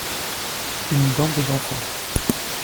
Une bande d'enfants.